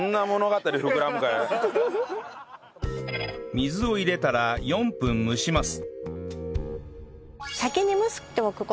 水を入れたら４分蒸します